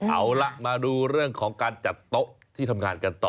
เอาล่ะมาดูเรื่องของการจัดโต๊ะที่ทำงานกันต่อ